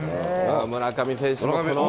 村上選手の。